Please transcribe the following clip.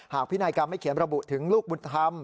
พินัยกรรมไม่เขียนระบุถึงลูกบุญธรรม